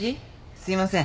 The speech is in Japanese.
すいません。